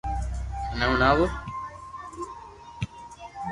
مني ھڻاووُ